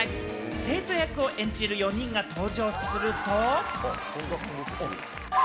生徒役を演じる４人が登場すると。